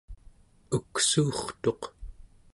uksuurtuq